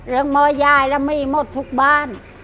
เรื่องมอญ่ายแล้วมีหมดทุกบ้าน